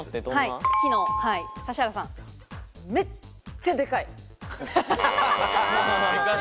めっちゃでかい。